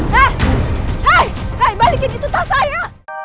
hai hai balikin itu tas saya